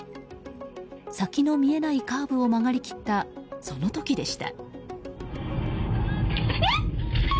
先の見えないカーブを曲がり切った、その時でした。